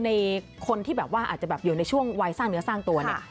ในคนที่แบบว่าอาจจะแบบอยู่ในช่วงวัยสร้างเนื้อสร้างตัวเนี่ย